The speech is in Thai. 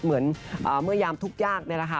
เหมือยามทุกอย่าง